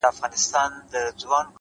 هره تجربه نوی درک رامنځته کوي,